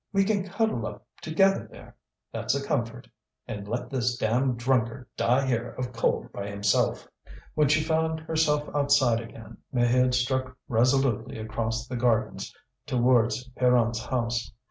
We can cuddle up together there, that's a comfort. And let this damned drunkard die here of cold by himself!" When she found herself outside again, Maheude struck resolutely across the gardens towards Pierron's house.